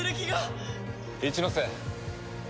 一ノ瀬。